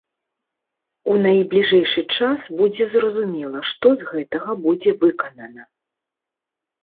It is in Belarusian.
У найбліжэйшы час будзе зразумела, што з гэтага будзе выканана.